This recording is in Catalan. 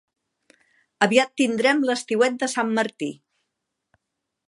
Aviat tindrem l'estiuet de Sant Martí.